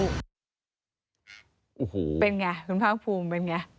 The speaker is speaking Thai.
เป็นไงคุณพ่อภูมิเป็นไง